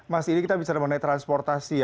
mas ini kita bicara mengenai transportasi ya